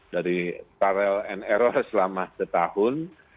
dari paral and error selama setahun